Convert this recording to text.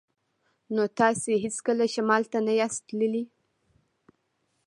نو تاسې هیڅکله شمال ته نه یاست تللي